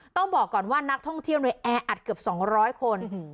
ต้องบอกก่อนว่านักท่องเที่ยวในแอร์อัดเกือบสองร้อยคนอืม